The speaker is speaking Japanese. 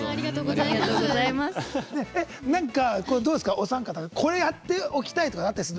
お三方、これやっておきたいとかあったりするの？